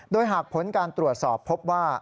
โดยหากผลการตรวจสอบพบว่า